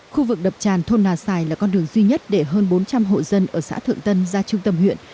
khu vực đập tràn thôn nà xài là con đường duy nhất để hơn bốn trăm linh hộ dân ở xã thượng tân ra trung tâm huyện